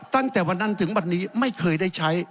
ตั้งแต่วันนั้นถึงวันนี้ไม่เคยได้ใช้